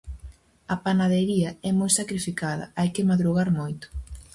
A panadería é moi sacrificada, hai que madrugar moito.